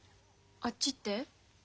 あっちって？